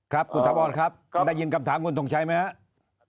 ครับคุณถาวรครับได้ยินคำถามคุณทงชัยไหมครับ